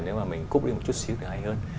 nếu mà mình cúp đi một chút xíu thì hay hơn